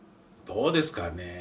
どうですかね